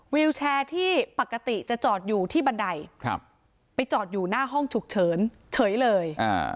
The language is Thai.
วิวแชร์ที่ปกติจะจอดอยู่ที่บันไดไปจอดอยู่หน้าห้องฉุกเฉินเฉยเลย